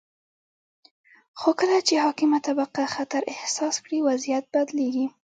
خو کله چې حاکمه طبقه خطر احساس کړي، وضعیت بدلیږي.